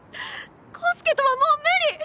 康介とはもう無理！